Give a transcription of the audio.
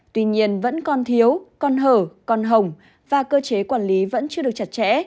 tuy nhiên vẫn còn thiếu còn hở còn hỏng và cơ chế quản lý vẫn chưa được chặt chẽ